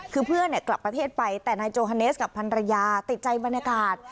คือเพื่อนกลับประเทศไปแต่นายโจฮาเนสกับพันรยาติดใจบรรยากาศ